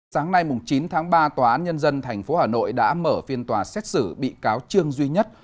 sáng nay chín tháng ba tòa án nhân dân tp hà nội đã mở phiên tòa xét xử bị cáo trương duy nhất